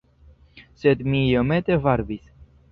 Sed mi iomete varbis.